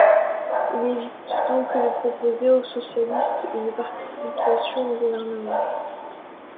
Il évite donc de proposer aux socialistes une participation au gouvernement.